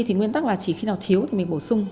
thì nguyên tắc là chỉ khi nào thiếu thì mình bổ sung